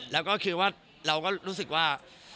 และก็คือเรารู้สึกว่า